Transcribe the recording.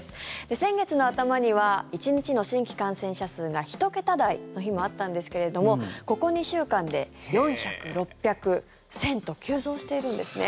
先月の頭には１日の新規感染者数が１桁台の日もあったんですけれどもここ２週間で４００、６００１０００と急増しているんです。